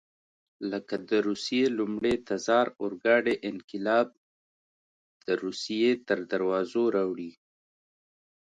لکه د روسیې لومړي تزار اورګاډی انقلاب د روسیې تر دروازو راوړي.